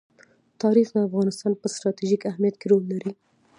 تاریخ د افغانستان په ستراتیژیک اهمیت کې رول لري.